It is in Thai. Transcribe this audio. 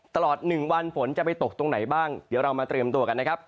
ตลอด๑วันฝนจะไปตกตรงไหนบ้างเดี๋ยวเรามาเตรียมตัวกันนะครับ